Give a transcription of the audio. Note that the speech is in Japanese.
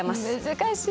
難しい。